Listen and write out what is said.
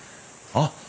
あっ！